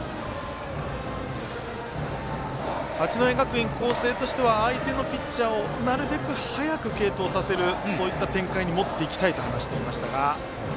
八戸学院光星としては相手のピッチャーをなるべく早く継投させるそういった展開に持っていきたいと話していました。